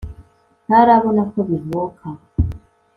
ntarabona ko bivuka